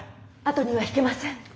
後には引けません。